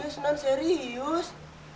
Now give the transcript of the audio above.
serius nan serius